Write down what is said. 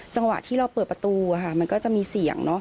จังหวะที่เราเปิดประตูมันก็จะมีเสียงเนอะ